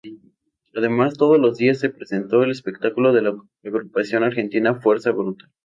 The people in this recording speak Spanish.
Además, todos los días se presentó el espectáculo de la agrupación argentina Fuerza Bruta.